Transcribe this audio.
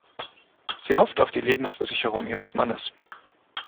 Sie hofft auf die Lebensversicherung ihres Mannes.